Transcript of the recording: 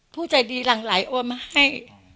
ผู้ใจดีหลังไหลโอนมาให้